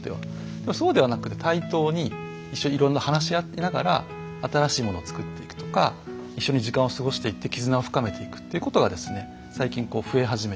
でもそうではなくて対等に一緒にいろいろ話し合いながら新しいものを作っていくとか一緒に時間を過ごしていって絆を深めていくっていうことが最近増え始めている。